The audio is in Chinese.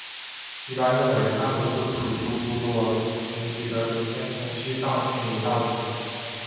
一般认为大多数土着部落群体的祖先从西藏迁移到此。